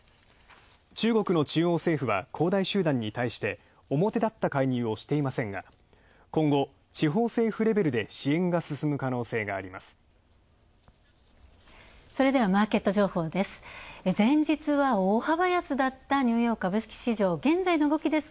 中国の中央政府は恒大集団に対して表立った介入をしていませんが、今後、地方政府レベルで支援が進む可能性があります。